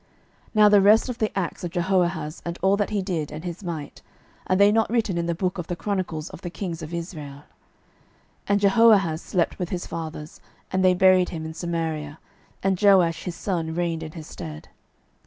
12:013:008 Now the rest of the acts of Jehoahaz, and all that he did, and his might, are they not written in the book of the chronicles of the kings of Israel? 12:013:009 And Jehoahaz slept with his fathers; and they buried him in Samaria: and Joash his son reigned in his stead.